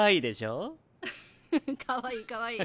うふっかわいいかわいい。